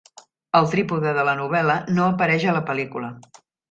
El trípode de la novel·la no apareix a la pel·lícula.